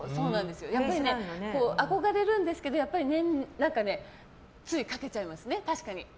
やっぱり憧れるんですけどついかけちゃいますね、確かに。